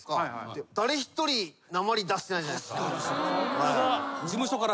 誰一人なまり出してないじゃないですか。